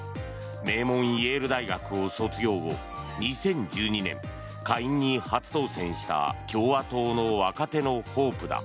名門イエール大学を卒業後２０１２年、下院に初当選した共和党の若手のホープだ。